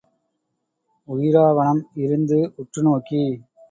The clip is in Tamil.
உயிராவணம் இருந்து உற்று நோக்கி.